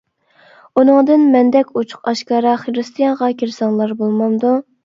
ئۇنىڭدىن مەندەك ئوچۇق-ئاشكارا خىرىستىيانغا كىرسەڭلار بولمامدۇ؟ !